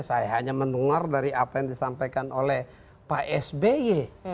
saya hanya mendengar dari apa yang disampaikan oleh pak sby